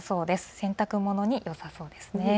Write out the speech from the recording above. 洗濯物によさそうですね。